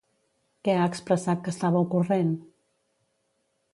Què ha expressat que estava ocorrent?